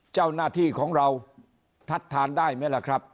เจ้าหน้าที่ของเราทัดทานได้ไหมล่ะครับ